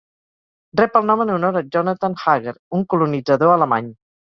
Rep el nom en honor a Jonathan Hager, un colonitzador alemany.